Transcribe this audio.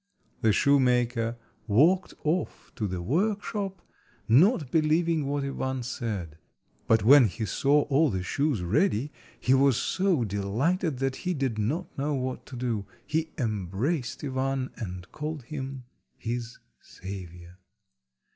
The shoemaker walked off to the workshop, not believing what Ivan said; but when he saw all the shoes ready, he was so delighted that he did not know what to do. He embraced Ivan and called him his saviour.